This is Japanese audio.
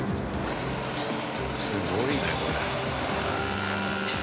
すごいねこれ。